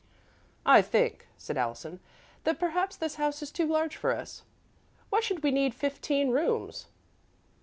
"I think," said Allison, "that perhaps this house is too large for us. Why should we need fifteen rooms?"